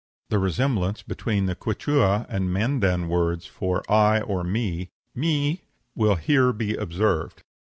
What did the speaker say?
The resemblance between the Quichua and Mandan words for I or me mi will here be observed.